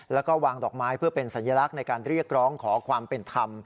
แล้วก็วางดอกไม้เพื่อเป็นสัญลักษณ์ในการเรียกร้องขอความเป็นธรรม